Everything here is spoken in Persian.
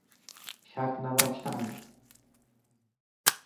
شک نداشتن